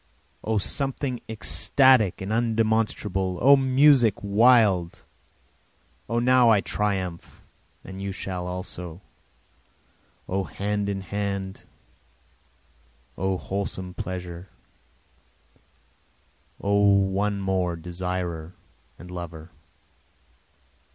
O something ecstatic and undemonstrable! O music wild! O now I triumph and you shall also; O hand in hand O wholesome pleasure O one more desirer and lover!